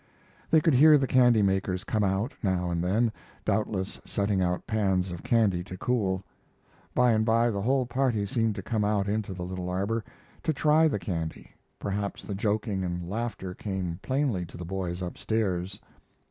They could hear the candymakers come out, now and then, doubtless setting out pans of candy to cool. By and by the whole party seemed to come out into the little arbor, to try the candy, perhaps the joking and laughter came plainly to the boys up stairs.